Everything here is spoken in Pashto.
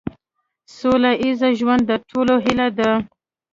سوله ایز ژوند د ټولو هیله ده.